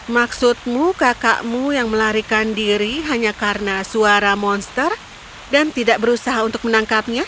maksudmu kakakmu yang melarikan diri hanya karena suara monster dan tidak berusaha untuk menangkapnya